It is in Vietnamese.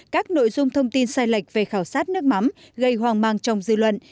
các nội dung thông tin sai lệch về khảo sát nước mắm gây hoang mang trong dư luận